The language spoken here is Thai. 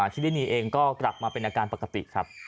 ธิรินีเองก็กลับมาเป็นอาการปกติครับ